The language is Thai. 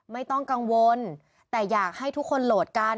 ไม่ต้องกังวลแต่อยากให้ทุกคนโหลดกัน